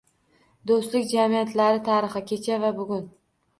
Do‘stlik jamiyatlari tarixi: kecha va bugun